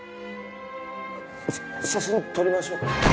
写真撮りましょうか？